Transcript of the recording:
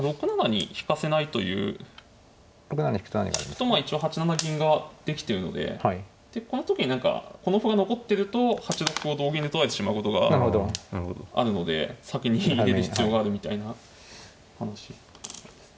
引くとまあ一応８七銀ができてるのででこの時に何かこの歩が残ってると８六歩を同銀で取られてしまうことがあるので先に入れる必要があるみたいな話ですね。